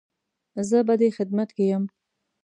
زه به دې خدمت کې يم